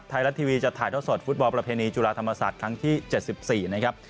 ไทยรัฐทีวีจะถ่ายท่อสดฟุตบอลประเพณีจุฬาธรรมศาสตร์ครั้งที่๗๔นะครับ